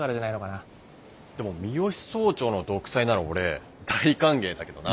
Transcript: でも三芳総長の独裁なら俺大歓迎だけどな。